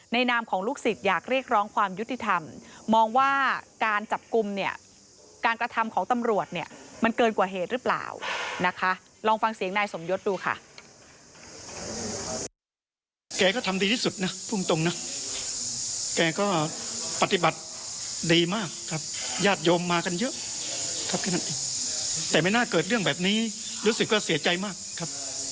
นะคะลองฟังเสียงนายสมยศดูค่ะ